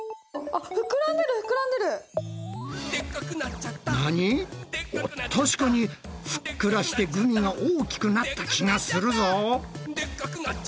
あっ確かにふっくらしてグミが大きくなった気がするぞ。